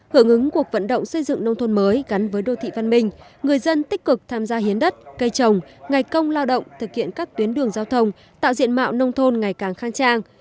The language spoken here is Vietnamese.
hưởng ứng cuộc vận động xây dựng nông thôn mới gắn với đô thị văn minh người dân tích cực tham gia hiến đất cây trồng ngày công lao động thực hiện các tuyến đường giao thông tạo diện mạo nông thôn ngày càng khang trang